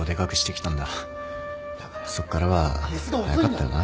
だからそっからは早かったよな。